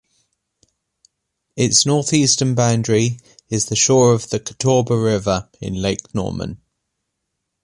Its northeastern boundary is the shore of the Catawba River in Lake Norman.